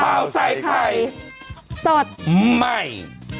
ข่าวใส่ไข่สดใหม่